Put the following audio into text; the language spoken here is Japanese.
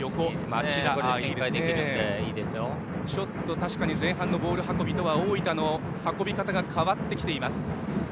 確かに前半のボール運びとは大分の運び方が変わってきています。